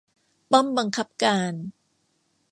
ป้อมบังคับการ